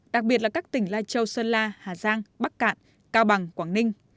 đặc biệt là các tỉnh lai châu sơn la hà giang bắc cạn cao bằng quảng ninh